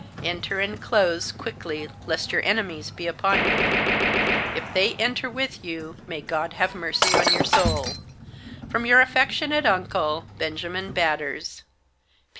Enter and close quickly lest your enemies be upon you. If they enter with you may God have mercy on your soul. From your affectionate uncle, Benjamin Batters.